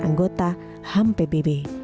anggota ham pbb